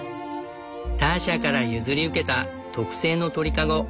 ターシャから譲り受けた特製の鳥籠。